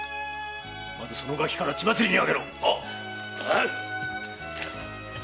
まずそのガキから血祭りにあげろ！